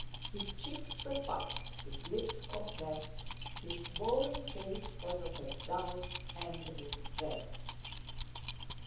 His cheeks were puffed, his lips compressed, his swollen face was of a dull, angry red.